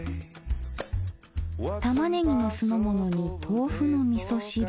玉ねぎの酢の物に豆腐の味噌汁。